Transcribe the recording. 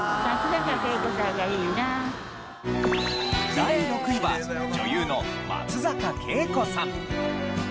第６位は女優の松坂慶子さん。